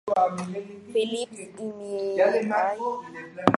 Phillips y Mr.